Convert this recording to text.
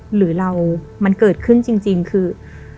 หรือเรามันเกิดขึ้นจริงคือ